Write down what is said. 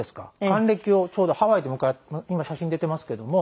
還暦をちょうどハワイで今写真出てますけども。